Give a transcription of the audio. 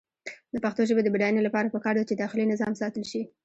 د پښتو ژبې د بډاینې لپاره پکار ده چې داخلي نظام ساتل شي.